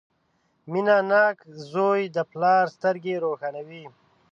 • مینهناک زوی د پلار سترګې روښانوي.